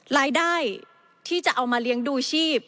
รายได้ที่จะเอามาเลี้ยงดูชีพ